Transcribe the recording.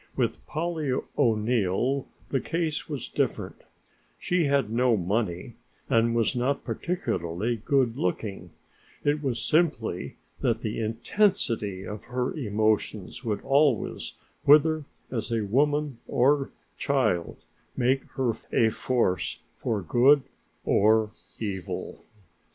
With Polly, O'Neill the case was different, she had no money and was not particularly good looking, it was simply that the intensity of her emotions would always, whether as a woman or child, make her a force for good or evil.